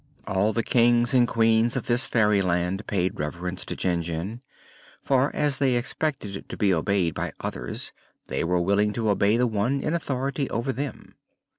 All the Kings and Queens of this fairyland paid reverence to Jinjin, for as they expected to be obeyed by others they were willing to obey the one in authority over them.